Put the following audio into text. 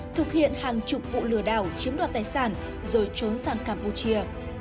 thực hiện hàng chục vụ lừa đảo chiếm đoạt tài sản rồi trốn sang campuchia